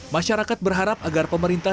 masyarakat berharap agar pemerintah